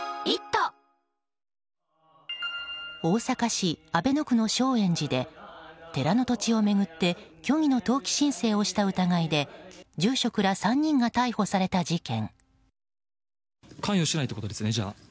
大阪市阿倍野区の正圓寺で寺の土地を巡って虚偽の登記申請をした疑いで住職ら３人が逮捕された事件。